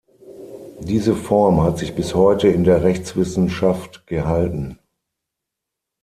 Diese Form hat sich bis heute in der Rechtswissenschaft gehalten.